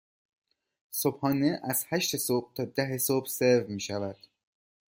صبحانه از هشت صبح تا ده صبح سرو می شود.